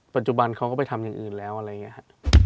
ปัจจุบันเขาก็ไปทำอย่างอื่นแล้วอะไรอย่างนี้ครับ